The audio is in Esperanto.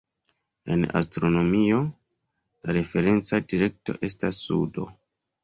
En astronomio, la referenca direkto estas sudo.